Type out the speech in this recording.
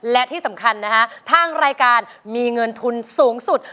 และที่สำคัญนะฮะทางรายการมีเงินทุนสูงสุด